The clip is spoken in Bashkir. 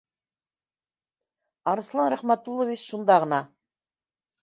Арыҫлан Рәхмәтуллович шунда ғына